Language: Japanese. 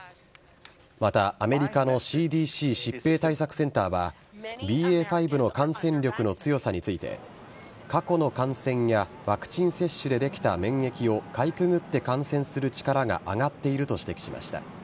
また、アメリカのＣＤＣ＝疾病対策センターはＢＡ．５の感染力の強さについて過去の感染やワクチン接種でできた免疫をかいくぐって感染する力が上がっていると指摘しました。